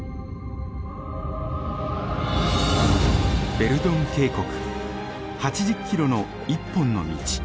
ヴェルドン渓谷８０キロの一本の道。